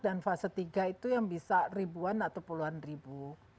dan fase tiga itu yang bisa ribuan atau puluhan ribu